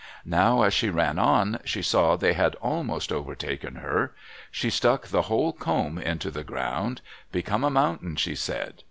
Now as she ran on, she saw they had almost overtaken her. She stuck the whole comb into the ground. "Become a mountain!" she said.